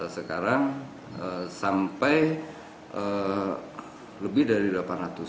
sekarang sampai lebih dari delapan ratus